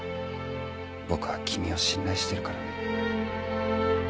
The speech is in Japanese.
僕は君を信頼してるからね。